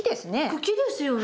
茎ですよね。